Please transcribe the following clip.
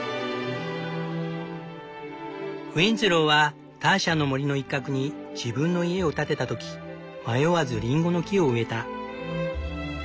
ウィンズローはターシャの森の一角に自分の家を建てた時迷わずリンゴの木を植えた。